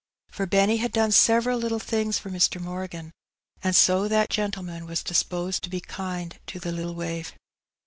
For Benny had done several little things for Mr. Morgan, and so that gentleman was disposed to be kind to the little waif.